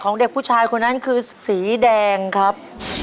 เด็กผู้ชายคนนั้นคือสีแดงครับ